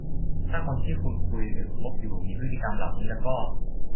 ถ้าคนที่คุณคุยหรือคบอยู่มีพฤติกรรมเหล่านี้ละก็